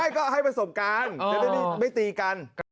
ไม่ก็ให้ประสบการณ์ไม่ตีกัน